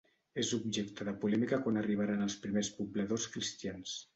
És objecte de polèmica quan arribaren els primers pobladors cristians.